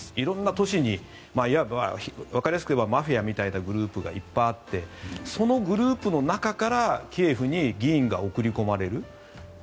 色んな都市にいわばわかりやすく言えばマフィアみたいなグループがいっぱいあってそのグループの中からキエフに議員が送り込まれる。